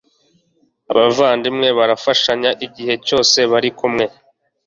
abavandimwe barafashanya'igihe cyose barikumwe